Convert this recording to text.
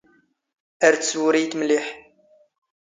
ⴰⵔ ⵜⵙⵡⵓⵔⵉⵢⵜ ⵎⵍⵉⵃ.